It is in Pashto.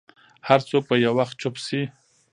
هر څوک به یو وخت چوپ شي.